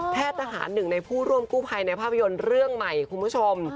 ทหารหนึ่งในผู้ร่วมกู้ภัยในภาพยนตร์เรื่องใหม่คุณผู้ชม